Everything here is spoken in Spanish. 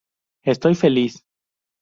Estoy feliz".